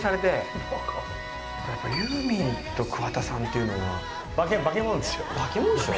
やっぱりユーミンと桑田さんっていうのはバケモノでしょ？